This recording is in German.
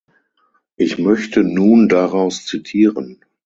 Ich möchte nun daraus zitieren.